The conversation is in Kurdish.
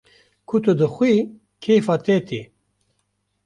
Ku tu dixwî keyfa te tê